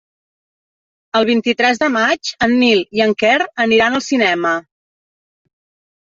El vint-i-tres de maig en Nil i en Quer aniran al cinema.